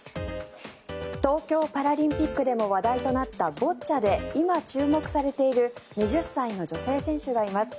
東京パラリンピックでも話題となったボッチャで今、注目されている２０歳の女性選手がいます。